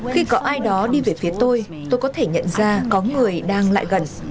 khi có ai đó đi về phía tôi tôi có thể nhận ra có người đang lại gần